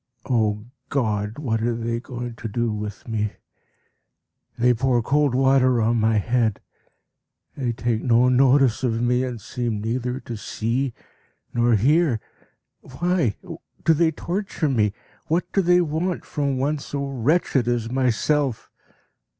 O God! what are they going to do with me? They pour cold water on my head. They take no notice of me, and seem neither to see nor hear. Why do they torture me? What do they want from one so wretched as myself?